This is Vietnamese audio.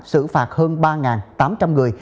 xử phạt hơn ba tám trăm linh người